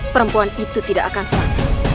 perempuan itu tidak akan